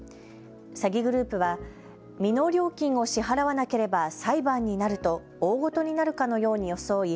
詐欺グループは未納料金を支払わなければ裁判になると大ごとになるかのように装い